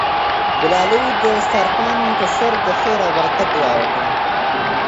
ګلالۍ د دسترخوان په سر د خیر او برکت دعا وکړه.